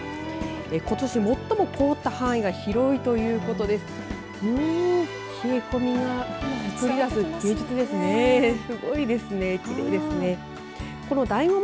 ことし最も凍った範囲が広いをということです。